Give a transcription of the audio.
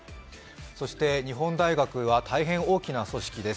そして、日本大学は大変大きな組織です。